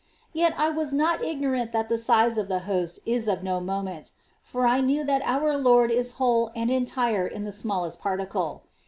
Yet I was not ignorant that the size of the Host is of no moment ; for I knew that our Lord is whole and entire in the smallest particle.